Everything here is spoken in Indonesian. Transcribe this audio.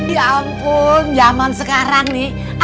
ya ampun zaman sekarang nih